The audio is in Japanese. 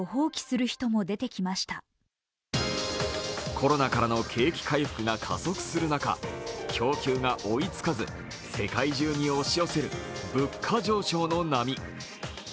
コロナからの景気回復が加速する中、供給が追いつかず、世界中に押し寄せる物価上昇の波。